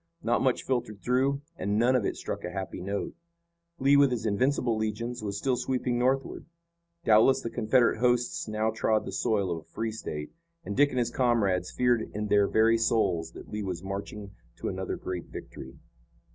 Not much filtered through, and none of it struck a happy note. Lee, with his invincible legions, was still sweeping northward. Doubtless the Confederate hosts now trod the soil of a free State, and Dick and his comrades feared in their very souls that Lee was marching to another great victory.